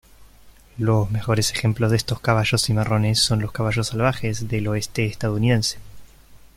Los mejores ejemplos de estos caballos cimarrones son los caballos "salvajes" del oeste estadounidense.